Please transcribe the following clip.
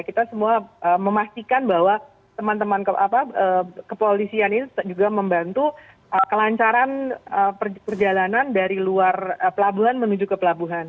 kita semua memastikan bahwa teman teman kepolisian ini juga membantu kelancaran perjalanan dari luar pelabuhan menuju ke pelabuhan